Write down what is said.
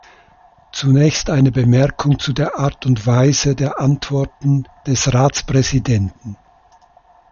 Zunächst eine Bemerkung zu der Art und Weise der Antworten des Ratspräsidenten.